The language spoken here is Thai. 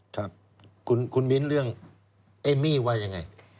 ครับคุณมิ้นเรื่องเอมมี่ว่ายังไง